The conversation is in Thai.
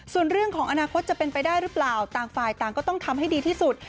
ส่วนเรื่องของอนาคตจะเป็นไปได้หรือเปล่าต่างฝ่ายต่างก็ต้องทำให้ดีที่สุด